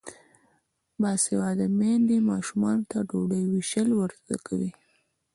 باسواده میندې ماشومانو ته ډوډۍ ویشل ور زده کوي.